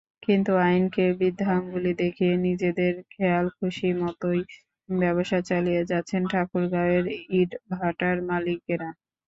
কিন্তু আইনকে বৃদ্ধাঙ্গুলি দেখিয়ে নিজেদের খেয়ালখুশিমতোই ব্যবসা চালিয়ে যাচ্ছেন ঠাকুরগাঁওয়ের ইটভাটার মালিকেরা।